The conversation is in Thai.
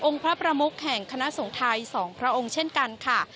องค์พระประมุกแห่งคณะสงทัยสองพระองค์เช่นกันค่ะ